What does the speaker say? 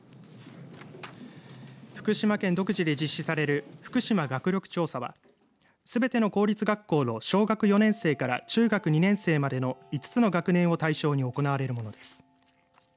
福島県独自で実施されるふくしま学力調査はすべての公立学校の小学４年生から中学２年生までの５つの学年を対象に行われるものです。